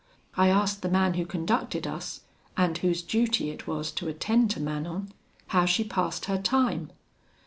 I asked the man who conducted us, and whose duty it was to attend to Manon, how she passed her time?